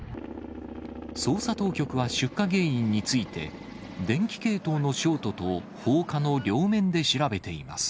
捜査当局は出火原因について、電気系統のショートと放火の両面で調べています。